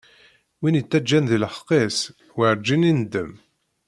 Win ittaǧǧan di leḥqq-is, werǧin indem.